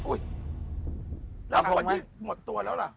อุ๊ยราบทรงเหมือนกันหมดตัวแล้วล่ะ